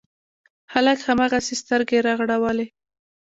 هلک هماغسې سترګې رغړولې.